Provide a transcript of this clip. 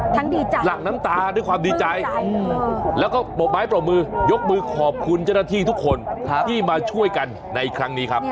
ดีใจหลังน้ำตาด้วยความดีใจแล้วก็ปรบไม้ปรบมือยกมือขอบคุณเจ้าหน้าที่ทุกคนที่มาช่วยกันในครั้งนี้ครับ